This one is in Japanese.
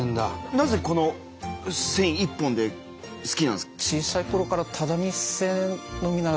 なぜこの線一本で好きなんですか？